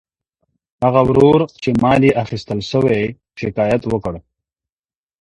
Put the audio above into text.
هغه ورور چي مال يې اخيستل سوی، شکايت وکړ.